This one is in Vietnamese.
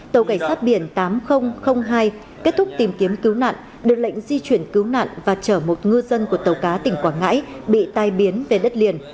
tàu cảnh sát biển tám nghìn hai kết thúc tìm kiếm cứu nạn được lệnh di chuyển cứu nạn và chở một ngư dân của tàu cá tỉnh quảng ngãi bị tai biến về đất liền